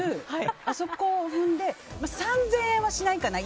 あそこを踏んで１パック３０００円はしないかな。